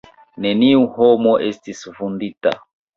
Neniu homo estis vundita.